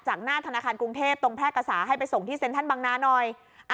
หน้าธนาคารกรุงเทพตรงแพร่กษาให้ไปส่งที่เซ็นทรัลบังนาหน่อย